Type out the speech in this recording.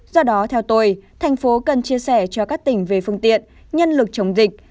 do đó theo tôi thành phố cần chia sẻ cho các tỉnh về phương tiện nhân lực chống dịch